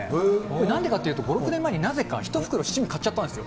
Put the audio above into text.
なんでかっていうと、５、６年前になぜか七味１袋買っちゃったんですよ。